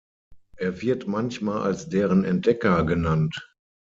Er wird manchmal als deren Entdecker genannt.